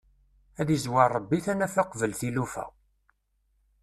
Ad izwer Ṛebbi tanafa qbel tilufa!